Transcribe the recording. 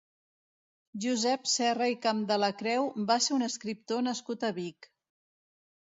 Josep Serra i Campdelacreu va ser un escriptor nascut a Vic.